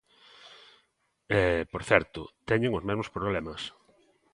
E, por certo, teñen os mesmos problemas.